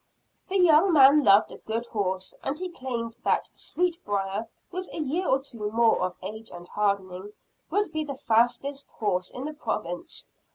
The young man loved a good horse and he claimed that Sweetbriar, with a year or two more of age and hardening, would be the fastest horse in the Province.